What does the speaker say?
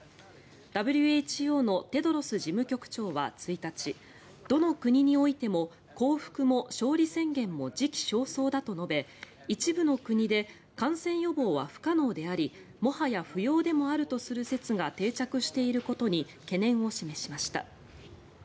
ＷＨＯのテドロス事務局長は１日どの国においても降伏も勝利宣言も時期尚早だと述べ、一部の国で感染予防は不可能でありもはや不要でもあるとする説が定着していることに懸念を示しました。